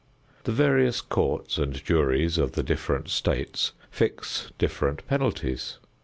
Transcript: The various courts and juries of the different states fix different penalties.